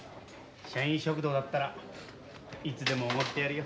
社員食堂だったらいつでもおごってやるよ。